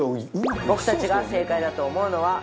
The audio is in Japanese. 僕たちが正解だと思うのは。